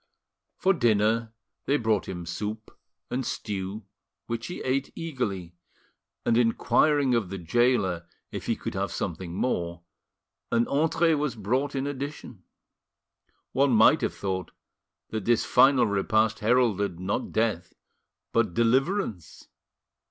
For, dinner, they brought him soup and stew, which he ate eagerly, and inquiring of the gaoler if he could have something more, an entree was brought in addition. One might have thought that this final repast heralded, not death but deliverance.